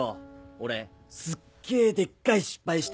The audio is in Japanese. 俺すっげえでっかい失敗して。